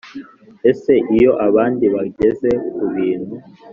Ese iyo abandi bageze ku bintu